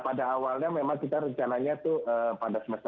pada awalnya memang kita rencananya pada semester ini